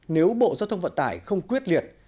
nếu bộ giao thông vận tải không quyết liệt